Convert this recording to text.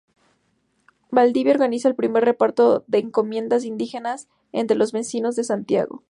Valdivia organiza el primer reparto de encomiendas de indígenas entre los vecinos de Santiago.